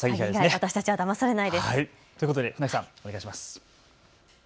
私たちはだまされないですということで船木さん、お願いします。